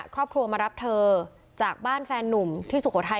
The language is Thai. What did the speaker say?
ครอบครัวมารับเธอจากบ้านแฟนนุ่มที่สุโขทัย